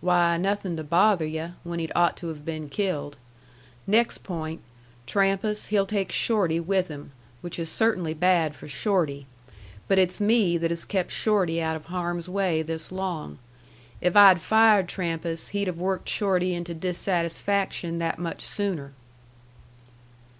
"Why, nothing to bother yu' when he'd ought to have been killed. Next point: Trampas he'll take Shorty with him, which is certainly bad for Shorty. But it's me that has kept Shorty out of harm's way this long. If I had fired Trampas, he'd have worked Shorty into dissatisfaction that much sooner."